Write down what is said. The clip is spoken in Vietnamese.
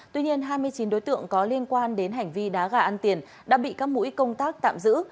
tuy nhiên hai mươi chín đối tượng có liên quan đến hành vi đá gà ăn tiền đã bị các mũi công tác tạm giữ